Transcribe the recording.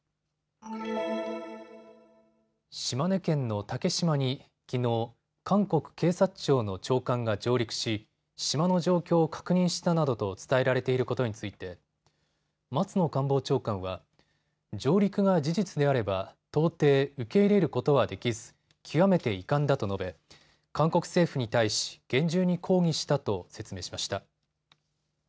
島根県の竹島にきのう、韓国警察庁の長官が上陸し島の状況を確認したなどと伝えられていることについて松野官房長官は上陸が事実であれば到底、受け入れることはできず極めて遺憾だと述べ韓国政府に対し厳重に抗議したと説明しました。